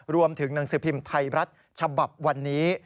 รวมถึงหนังสือพิมพ์ไทยรัฐฉบับวันนี้